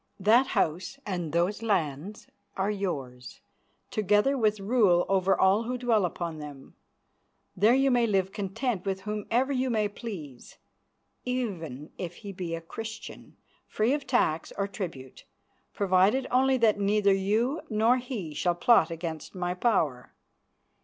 That house and those lands are yours, together with rule over all who dwell upon them. There you may live content with whomever you may please, even if he be a Christian, free of tax or tribute, provided only that neither you nor he shall plot against my power.